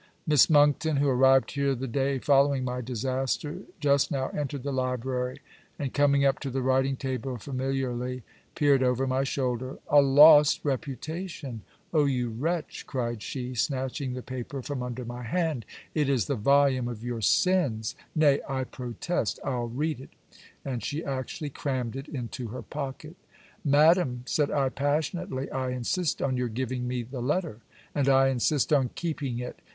Miss Monckton (who arrived here the day following my disaster,) just now entered the library; and, coming up to the writing table, familiarly peered over my shoulder. 'A lost reputation! Oh you wretch,' cried she, snatching the paper from under my hand, 'it is the volume of your sins! Nay: I protest, I'll read it.' And she actually crammed it into her pocket. 'Madam,' said I passionately, 'I insist on your giving me the letter.' 'And I insist on keeping it.'